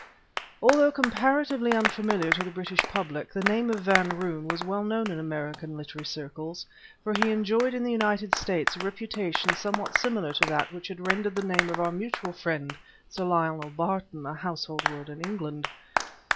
Although comparatively unfamiliar to the British public, the name of Van Roon was well known in American literary circles; for he enjoyed in the United States a reputation somewhat similar to that which had rendered the name of our mutual friend, Sir Lionel Barton, a household word in England.